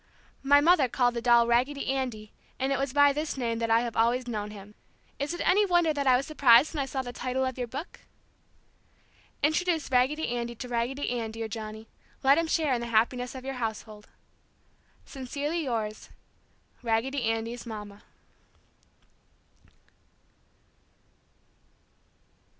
My mother called the doll Raggedy Andy and it was by this name that I have always known him. Is it any wonder that I was surprised when I saw the title of your book? Introduce Raggedy Andy to Raggedy Ann, dear Johnny. Let him share in the happiness of your household. Sincerely yours, Raggedy Andy's "Mama."